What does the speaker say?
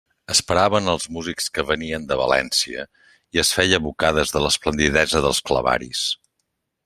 Esperaven els músics que venien de València, i es feia bocades de l'esplendidesa dels clavaris.